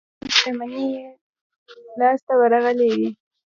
د علم شتمني يې لاسته ورغلې وي.